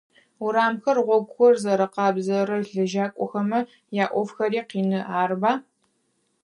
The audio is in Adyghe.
Урамхэр, гъогухэр зыгъэкъэбзэрэ лэжьакӏохэмэ яӏофхэри къины, арыба?